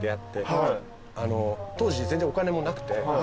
当時全然お金もなくて。